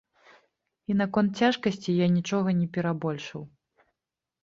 І наконт цяжкасці я нічога не перабольшыў.